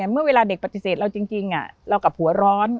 เมื่อเวลาเด็กปฏิเสธเราจริงเรากลับหัวร้อน